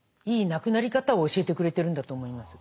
亡くなり方を教えてくれてるんだと思います。